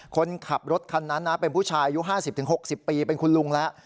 คนขับรถคันนั้นนะเป็นผู้ชายอายุ๕๐๖๐ปีเป็นคุณลุงแล้ว